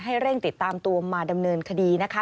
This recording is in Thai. เร่งติดตามตัวมาดำเนินคดีนะคะ